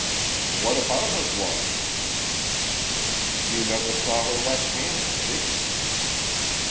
"What about her gloves?" "You never saw her left hand, did you?"